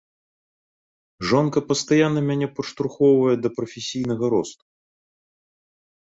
Жонка пастаянна мяне падштурхоўвае да прафесійнага росту.